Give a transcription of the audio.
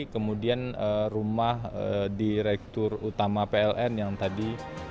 kemudian rumah direktur utama pln yang tadi